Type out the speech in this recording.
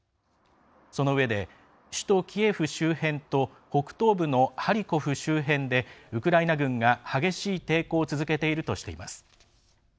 そのうえで首都キエフ周辺と北東部のハリコフ周辺でウクライナ軍が激しい抵抗を続けているとしています。